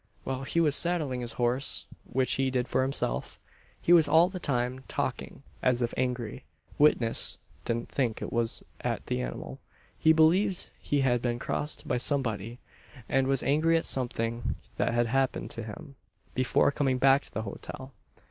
While he was saddling his horse which he did for himself he was all the time talking, as if angry. Witness didn't think it was at the animal. He believed he had been crossed by somebody, and was angry at something that had happened to him, before coming back to the hotel.